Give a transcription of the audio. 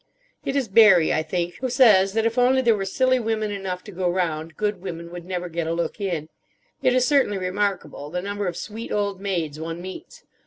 It is Barrie, I think, who says that if only there were silly women enough to go round, good women would never get a look in. It is certainly remarkable, the number of sweet old maids one meets.